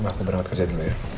aku berangkat kerja dulu ya